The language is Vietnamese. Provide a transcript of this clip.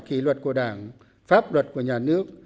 kỳ luật của đảng pháp luật của nhà nước